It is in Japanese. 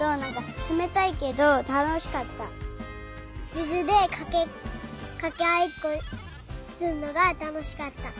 みずでかけあいっこするのがたのしかった。